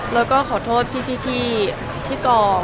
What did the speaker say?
แล้วก็ขอโทษพี่อย่างที่กร้อง